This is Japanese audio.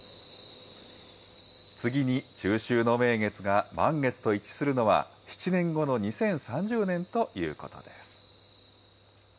次に中秋の名月が満月と一致するのは、７年後の２０３０年ということです。